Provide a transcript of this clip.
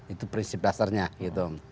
itu prinsip dasarnya gitu